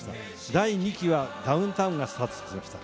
第２期はダウンタウンがスタートさせました。